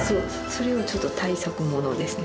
それはちょっと大作ものですね。